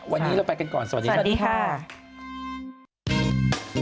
วันนี้เราไปกันก่อนสวัสดีครับ